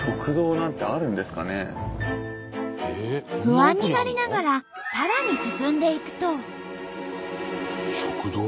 不安になりながらさらに進んでいくと。